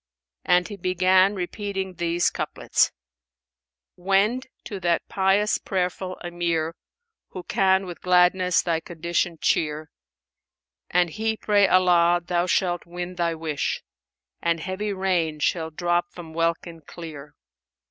And he began repeating these couplets, "Wend to that pious prayerful Emir, * Who can with gladness thy condition cheer; An he pray Allah, thou shalt win thy wish; * And heavy rain shall drop from welkin clear.